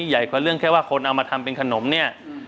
ใหญ่กว่าเรื่องแค่ว่าคนเอามาทำเป็นขนมเนี่ย